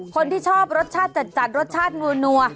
คนที่ชอบรสชาติจัดรสชาตินัว